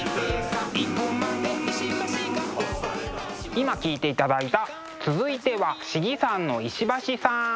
今聴いていただいた「続いては、信貴山の石橋さん」。